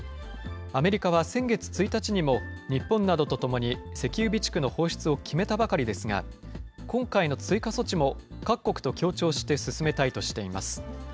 アメリカは先月１日にも、日本などとともに石油備蓄の放出を決めたばかりですが、今回の追加措置も各国と協調して進めたいとしています。